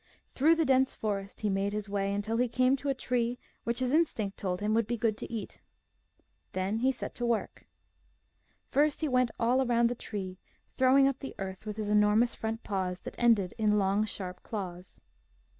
Through the dense forest he made his way until he came to a tree which his instinct told him would be good to eat. Then he set to work. First he went all round the tree, throwing up the earth with his enormous front paws that ended in long, sharp claws.